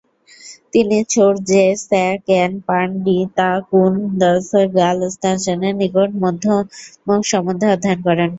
তিনি ছোস-র্জে-সা-স্ক্যা-পান-ডি-তা-কুন-দ্গা'-র্গ্যাল-ম্ত্শানের নিকট মধ্যমক সম্বন্ধে অধ্যয়ন করেন।